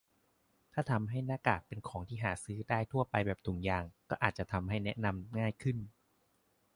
ถ้าทำให้หน้ากากเป็นของที่หาซื้อได้ทั่วไปแบบถุงยาง ก็อาจจะทำให้แนะนำง่ายขึ้น ?